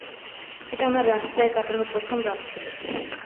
এটা আমার রাস্তায় কাটানো প্রথম রাত ছিল।